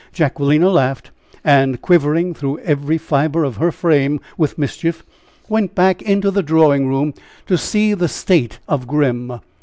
Jacquelina laughed; and, quivering through every fibre of her frame with mischief, went back into the drawing room to see the state of Grim.